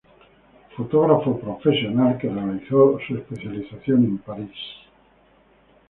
Fotógrafo profesional que realizó su especialización en París.